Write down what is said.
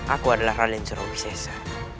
aku adalah raden surowisesa